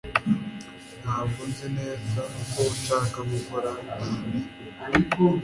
ntabwo nzi neza ko nshaka gukora ibi ubu